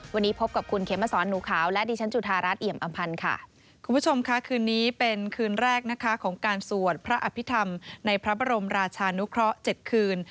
วันนี้พบกับคุณเขมสอนหนูขาวและดิฉันจุธารัฐเอี่ยมอำพันธ์ค่ะคุณผู้ชมค่ะคืนนี้เป็นคืนแรกนะคะของการสวดพระอภิษฐรรมในพระบรมราชานุเคราะห์๗คืน